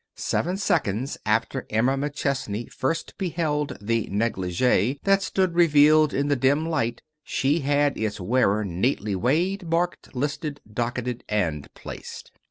Seven seconds after Emma McChesney first beheld the negligee that stood revealed in the dim light she had its wearer neatly weighed, marked, listed, docketed and placed.